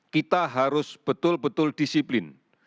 kita harus betul betul disiplin